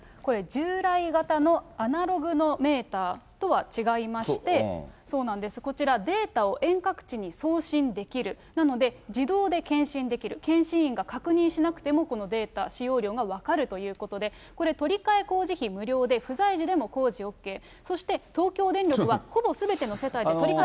従来型のアナログのメーターとは違いまして、こちら、データを遠隔地に送信できる、なので、自動で検針できる、検針員が確認しなくてもデータ、使用量が分かるということで、これ、取り換え工事費無料で、不在時でも工事オーケー。